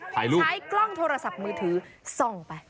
ใช้กล้องโทรศัพท์มือถือส่องไป